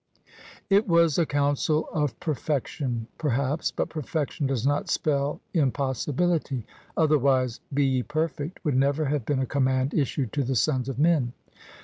It was a counsel of perfection, perhaps: but perfection does not spell impossibility: otherwise "Be ye perfect " would never have been a command issued to the sons of men.